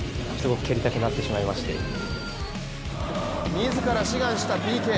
自ら志願したＰＫ。